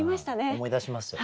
思い出しますよね。